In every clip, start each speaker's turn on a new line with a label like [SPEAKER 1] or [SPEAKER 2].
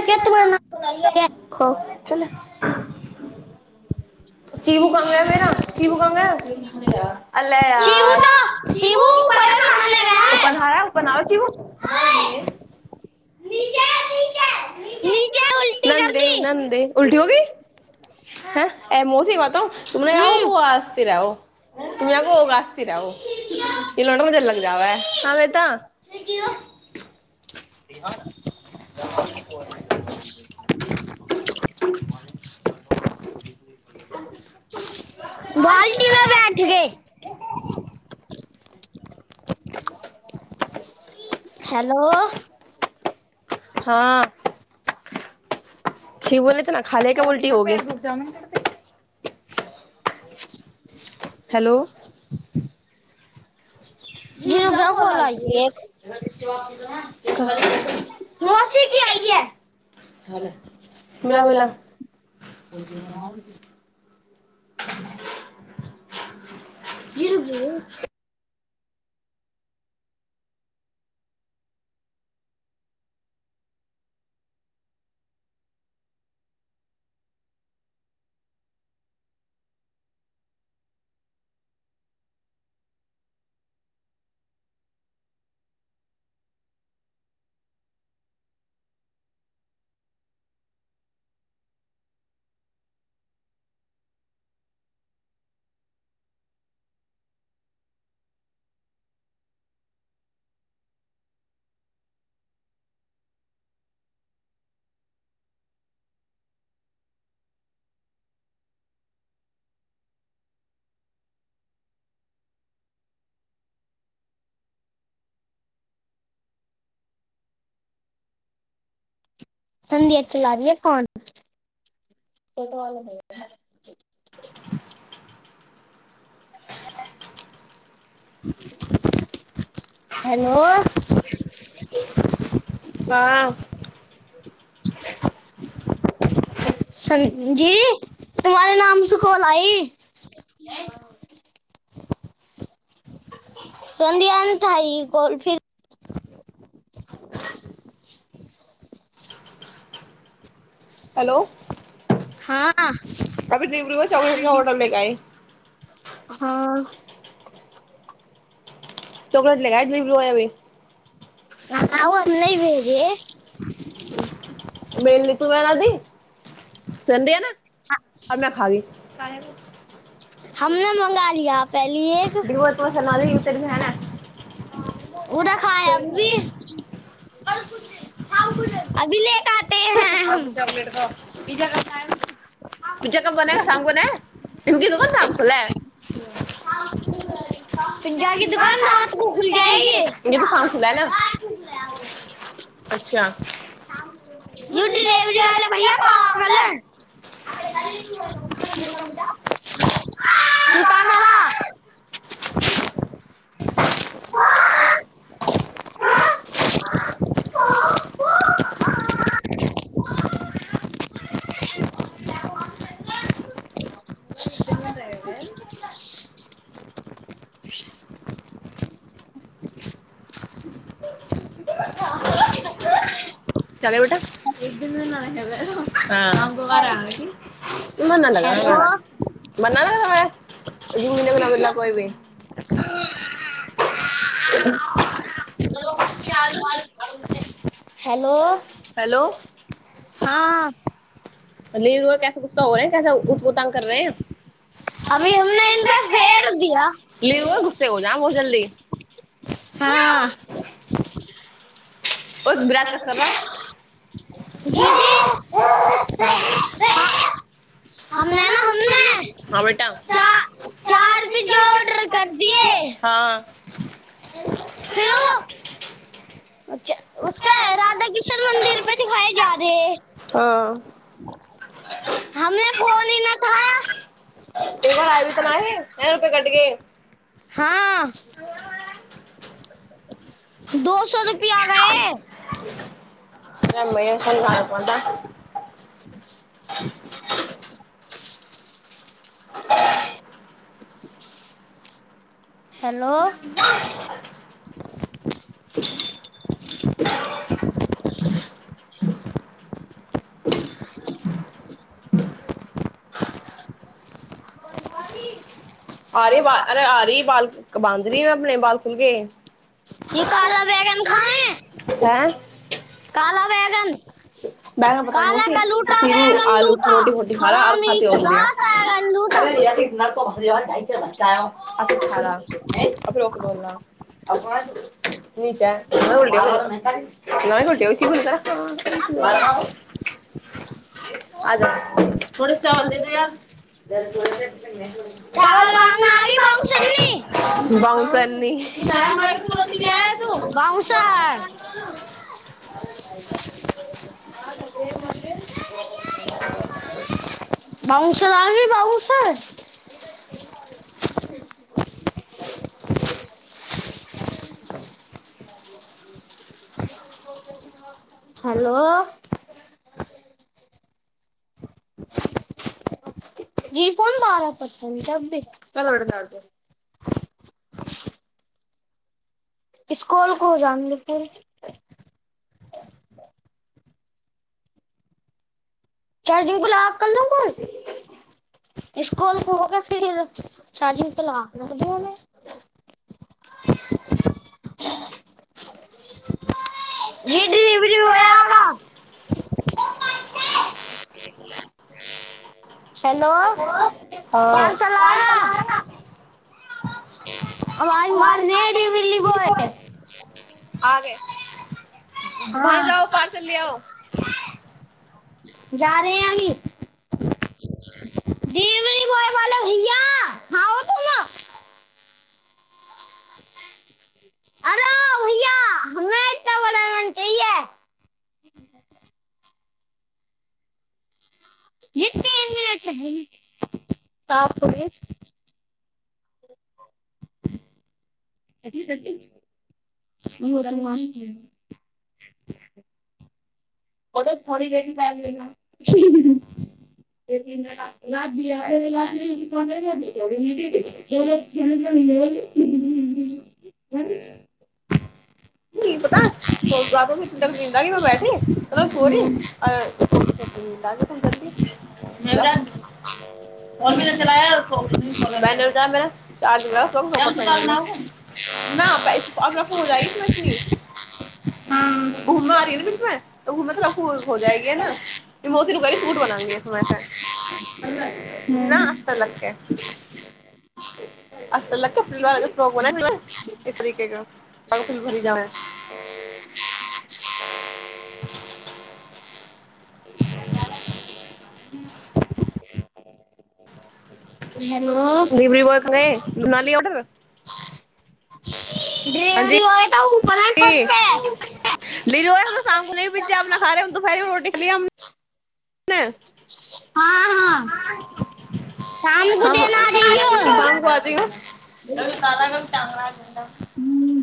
[SPEAKER 1] के तुम्हें
[SPEAKER 2] ह चलै [inaudible] तऽ [inaudible] चीबू कंगे ऐ बै ना चीबू कंगे अले
[SPEAKER 1] शिवू
[SPEAKER 2] यार
[SPEAKER 1] तो
[SPEAKER 2] चीबू
[SPEAKER 1] शिवू
[SPEAKER 2] [unintelligible] ओ
[SPEAKER 1] ऊपर नहाने गया है
[SPEAKER 2] पढ़ाया ओ बनाओ चीबू [unintelligible] नीचे
[SPEAKER 1] नीचे उल्टी कर
[SPEAKER 2] नंदे
[SPEAKER 1] दी
[SPEAKER 2] नंदे उल्टी हो गयी हैं ए मौसी कहतों तुमरा य [unintelligible] सिर आओ
[SPEAKER 1] हम्म
[SPEAKER 2] ई लोंडवैं लग जावै हा बेता [unintelligible] [inaudible] आ [inaudible]
[SPEAKER 1] बाल्टीमे बैठ गये हेलो
[SPEAKER 2] हँ जमीन त [inaudible]
[SPEAKER 1] [inaudible]
[SPEAKER 2] हेलो
[SPEAKER 1] [unintelligible] जिनू
[SPEAKER 2] जीजा
[SPEAKER 1] क्या कॉल
[SPEAKER 2] बोला
[SPEAKER 1] आई
[SPEAKER 2] गे
[SPEAKER 1] है
[SPEAKER 2] मोसी कि मिला मिला [unintelligible]
[SPEAKER 1] ओ [unintelligible]
[SPEAKER 2] गिरजो [inaudible]
[SPEAKER 1] संध्या चला रहि है फोन [unintelligible]
[SPEAKER 2] [inaudible] ह [inaudible]
[SPEAKER 1] हेलो
[SPEAKER 2] हाँ
[SPEAKER 1] [inaudible] सं जी तुम्हारे नाम से कॉल आई संध्या ने उठाइ कॉल फिर
[SPEAKER 2] हेलो
[SPEAKER 1] हँ
[SPEAKER 2] कभी दिबरुओ चावल के ऑडर लेके आई
[SPEAKER 1] हँ
[SPEAKER 2] चॉकलेट लेगा ए दिबरु ए अभी
[SPEAKER 1] आओर नै भेजे
[SPEAKER 2] चुड़ा न दी चंडी आ ना अब ना खाबी
[SPEAKER 1] हमने मंगा लिया पहली एक
[SPEAKER 2] तऽ भेना
[SPEAKER 1] उ त खाय अभी अभी लेक आते हैं हम
[SPEAKER 2] पीज्जा कब खाएगा पीज्जा कब बनेगा सामको नै इनकि दुकान कब खुलै
[SPEAKER 1] फिर जाके दुकान रात को खुल जाएगी
[SPEAKER 2] इनकी साम खुलै ना अच्छा
[SPEAKER 1] यौ डिलेवरी वाले भैया पागल हैं दोकानरा
[SPEAKER 2] [unintelligible] [unintelligible]
[SPEAKER 1] [unintelligible]
[SPEAKER 2] [unintelligible]
[SPEAKER 1] [unintelligible] [unintelligible]
[SPEAKER 2] चल बेटा दु बारा आएगी मन नै लगे
[SPEAKER 1] हेलो
[SPEAKER 2] हमारा बनना ने दू मने कोनो बला कोबै
[SPEAKER 1] हेलो
[SPEAKER 2] हेलो
[SPEAKER 1] हाँ
[SPEAKER 2] अली कैसा गुस्सा हो रहै कैसा उतभोतंग कर रहे हैं
[SPEAKER 1] अभी हमने इन पे फेर दिया
[SPEAKER 2] ल गुस्से हो जा बहुत जल्दी
[SPEAKER 1] हँ
[SPEAKER 2] ओ विराज कस
[SPEAKER 1] ओतना
[SPEAKER 2] कर रहा
[SPEAKER 1] जी जी हम न ने हम ने चार
[SPEAKER 2] हाँ बेटा
[SPEAKER 1] पिज्जा ऑर्डर कर दिए
[SPEAKER 2] हँ
[SPEAKER 1] हेलो अच्छा उसक राधा कृष्ण मन्दिर प दिखाए जाादे है
[SPEAKER 2] हँ
[SPEAKER 1] हमे
[SPEAKER 2] क बार आए भी तऽनाे ए रुपे कटके
[SPEAKER 1] हाँ दो सए र
[SPEAKER 2] [unintelligible] [unintelligible]
[SPEAKER 1] [unintelligible] [unintelligible] हैेलो
[SPEAKER 2] [unintelligible] आ र बाल अरे आ री बाल बाधं री अपने बाल खुलके
[SPEAKER 1] ई काला बैगन खा
[SPEAKER 2] हैं
[SPEAKER 1] काला बैगन
[SPEAKER 2] बैगन पता
[SPEAKER 1] काला
[SPEAKER 2] मौसी
[SPEAKER 1] कलूटा
[SPEAKER 2] सीरू
[SPEAKER 1] बैंगन
[SPEAKER 2] आलू की
[SPEAKER 1] दुटा
[SPEAKER 2] रोटी वोटी
[SPEAKER 1] हरामी
[SPEAKER 2] अ य नकब [unintelligible] नचा न घोटे नह गोटे हो छी घु त नहि
[SPEAKER 1] ह [unintelligible]
[SPEAKER 2] अर थोड़े चावल दे दे यार
[SPEAKER 1] चावल मांगना आ गई
[SPEAKER 2] पउसनी
[SPEAKER 1] भहुसर आ [inaudible]
[SPEAKER 2] [inaudible]
[SPEAKER 1] बाबनसर आी बाबसर हेलो
[SPEAKER 2] [inaudible]
[SPEAKER 1] जी कोन मार पस
[SPEAKER 2] [inaudible]
[SPEAKER 1] इसकुल को जानलप चार्जिग पर लगा कर करलू काॅल स्कूल हो के फिर शाजी त ल
[SPEAKER 2] छ [unintelligible]
[SPEAKER 1] जी डिलिवरी होआगा हेलो पार्सलआयगा अाज मार नेीली बोय
[SPEAKER 2] आ गे
[SPEAKER 1] हाँ
[SPEAKER 2] घर जाउ पार्सल ल आउ
[SPEAKER 1] जा रहे अही बाले भईया
[SPEAKER 2] [inaudible] [inaudible]
[SPEAKER 1] अरो भैया हमे एना बना चाहिए
[SPEAKER 2] [inaudible]
[SPEAKER 1] बाप रे [unintelligible] [unintelligible] [unintelligible] [unintelligible]
[SPEAKER 2] कि बता सो रात किन तक जीन्द गी बैठी मतलब सोरी सोच सोत कर र
[SPEAKER 1] है
[SPEAKER 2] चला चार द ग [unintelligible] न पैसेरफ हो जाइ इसमे इतनी [unintelligible] घूममे आ री ह न ने पिछमे त घूममे तोरा फू हो जाएगी ह नसी रुकै सूट बनांगीसमे [unintelligible] न
[SPEAKER 1] हाँ
[SPEAKER 2] आस्त लगकेै असल ल कफरीलवला फ्रॉक बना इस तरिके क बाग फल भरी जना [unintelligible] [unintelligible]
[SPEAKER 1] हेलो
[SPEAKER 2] डिलवरी बॉय क बनाली ऑर्डर
[SPEAKER 1] डिलिवरी बॉय त
[SPEAKER 2] ल शामगु भज अपना खा रहे द फर रोट खलिय
[SPEAKER 1] [inaudible]
[SPEAKER 2] हाँ
[SPEAKER 1] शाम को
[SPEAKER 2] हँ
[SPEAKER 1] देना आ
[SPEAKER 2] सग
[SPEAKER 1] जाइयो
[SPEAKER 2] कहथि ग काल क चंगला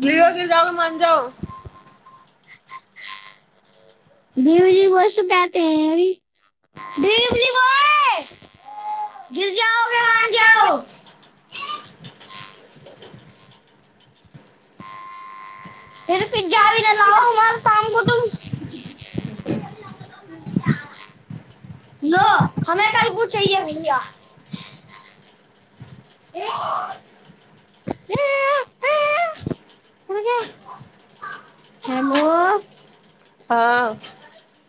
[SPEAKER 2] लेके जाओ मान जाउ
[SPEAKER 1] बी वसु क [unintelligible]
[SPEAKER 2] [unintelligible] [inaudible]
[SPEAKER 1] पीज्जा भी ने ल हमर नाम को त [unintelligible] [unintelligible] न हमे कलगू चाहिए भैया [unintelligible] [inaudible]
[SPEAKER 2] [inaudible]
[SPEAKER 1] हेलो
[SPEAKER 2] हाँ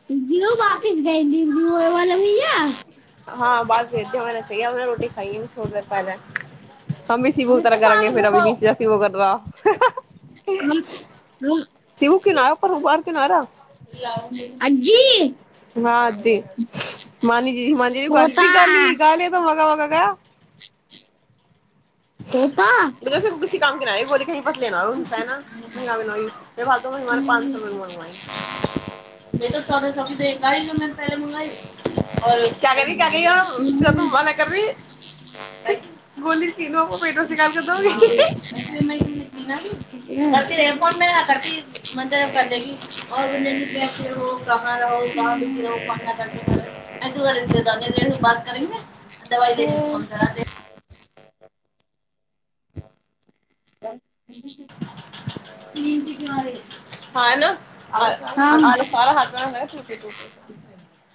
[SPEAKER 1] द बात दी द [unintelligible]
[SPEAKER 2] हँ बाद वेध्या होना चाए अपने रोटी खाई ए थोड़ी देर पहिले [unintelligible] हमी स बो तरह कराँगे फेर अभी नीच सवो करा [unintelligible]
[SPEAKER 1] [inaudible]
[SPEAKER 2] सिवू किनारे पर उबार किनारा [unintelligible] ह
[SPEAKER 1] अज्जी
[SPEAKER 2] नाजी [inaudible] मानी जी मानाजी ज गल
[SPEAKER 1] तोता
[SPEAKER 2] दी गाल ही गाल य त मगा वगा कह [unintelligible]
[SPEAKER 1] [inaudible] तोता
[SPEAKER 2] ल किसी काम केनाै बोल कही पता लेना हन ह न मंगाबना फालतू मे [unintelligible] पाँच सौ मे मंगवाइ [inaudible] बे तऽ सद सद क ज पहिले मंगाई [unintelligible] और क्या करी [unintelligible] क क ज तू मला करबी बोली तीनो फ फोन मेर मलब [unintelligible] कर लेगी और गुंजन जी कैसे हो कहाँ रहो कहाँ बिजी रहो फोन न करते रहो [unintelligible] नी बात करर [unintelligible] दबा दे त रह [unintelligible]
[SPEAKER 1] [inaudible]
[SPEAKER 2] हँ न
[SPEAKER 1] हम
[SPEAKER 2] आ सारा हाथ प [unintelligible] [inaudible]